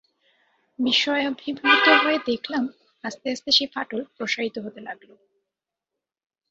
বিস্ময়াভিভূত হয়ে দেখলাম, আস্তে আস্তে সেই ফাটল প্রসারিত হতে লাগল।